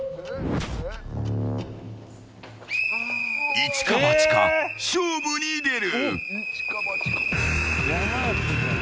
一か八か勝負に出る。